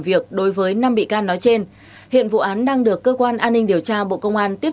việc đối với năm bị can nói trên hiện vụ án đang được cơ quan an ninh điều tra bộ công an tiếp